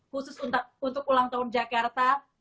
khusus untuk ulang tahun jakarta